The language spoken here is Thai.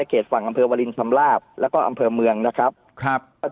เกษฐ์ฝั่งอำเพอร์วาลินชำราบแล้วก็อำเพอร์เมืองนะครับครับ